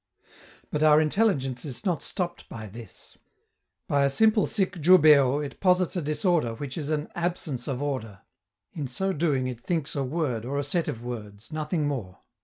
But our intelligence is not stopped by this. By a simple sic jubeo it posits a disorder which is an "absence of order." In so doing it thinks a word or a set of words, nothing more.